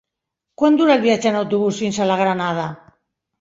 Quant dura el viatge en autobús fins a la Granada?